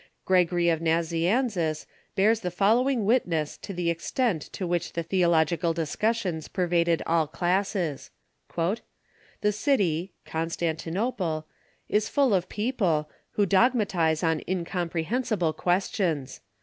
Gregory of Nazianzus bears the following witness to the extent to which the theological discussions pervaded all classes: "The city (Constantino])le) is full of people, who dogmatize on incomprehensible questions.